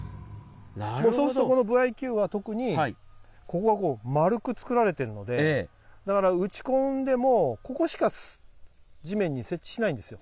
そうすると、このＶｉ‐Ｑは特に、ここが丸く作られているので、打ち込んでもここしか地面に設置しないんですよ。